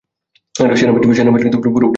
সেনাবাহিনী কি পুরোপুরি আপনারা নিয়ন্ত্রণ করেন না?